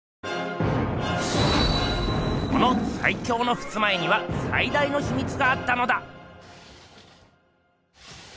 このさい強のふすま絵にはさい大のひみつがあったのだ！